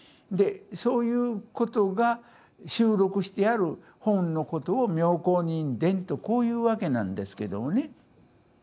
でそういうことが収録してある本のことを「妙好人伝」とこういう訳なんですけどもね。